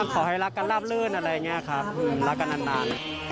ขอให้รักกันราบลื่นอะไรอย่างนี้ครับรักกันนาน